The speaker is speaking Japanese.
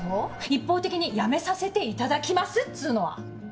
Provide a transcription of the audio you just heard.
一方的に「やめさせていただきます」っつうのは。